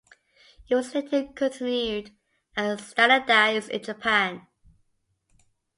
It was later continued and standardised in Japan.